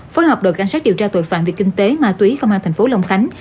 phối hợp đội cảnh sát điều tra tội phạm việc kinh tế ma túy công an tp long khánh